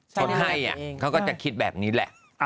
คนให้เขาก็จะคิดแบบนี้แหละ